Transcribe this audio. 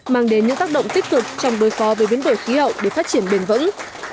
mang đến những tác động tích cực trong đối phó với biến đổi khí hậu để phát triển bền vững